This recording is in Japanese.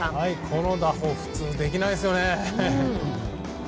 この打法普通できないですよね。